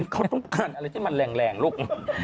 เขาต้องการอะไรที่มันแรงลูก